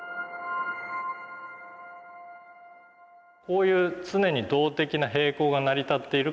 こういう常に動的な平衡が成り立っているからですね